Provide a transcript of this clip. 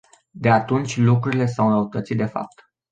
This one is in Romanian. De atunci lucrurile s-au înrăutățit de fapt.